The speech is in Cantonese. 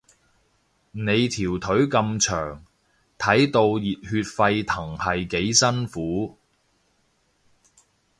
你條腿咁長，睇到熱血沸騰係幾辛苦